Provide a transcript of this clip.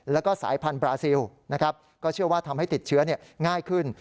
แล้วก็สายพันธบราซิลนะครับก็เชื่อว่าทำให้ติดเชื้อง่ายขึ้น